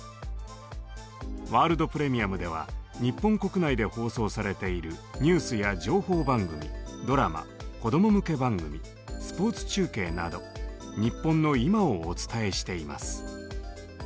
「ワールド・プレミアム」では日本国内で放送されているニュースや情報番組ドラマ子供向け番組スポーツ中継など日本の今をお伝えしています。